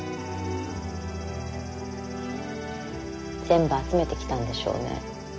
全部集めてきたんでしょうね。